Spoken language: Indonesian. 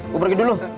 gua pergi dulu